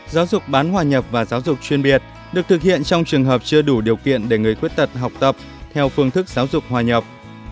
giáo dục bán hòa nhập và giáo dục chuyên biệt được thực hiện trong trường hợp chưa đủ điều kiện để người khuyết tật học tập theo phương thức giáo dục hòa nhập